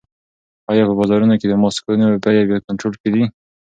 آیا په بازارونو کې د ماسکونو بیې په کنټرول کې دي؟